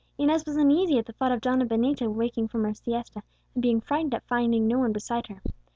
Inez was uneasy at the thought of Donna Benita awaking from her siesta, and being frightened at finding no one beside her.